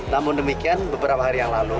namun demikian beberapa hari yang lalu